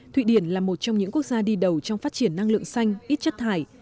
thụy điển là một trong những quốc gia đi đầu trong phát triển năng lượng xanh ít chất thải